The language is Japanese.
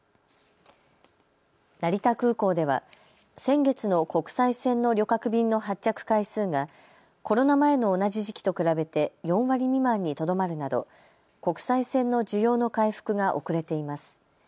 成田空港では先月の国際線の旅客便の発着回数がコロナ前の同じ時期と比べて４割未満にとどまるなど国際線の需要の回復が遅れています。